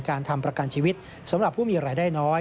ทำประกันชีวิตสำหรับผู้มีรายได้น้อย